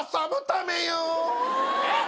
えっ！？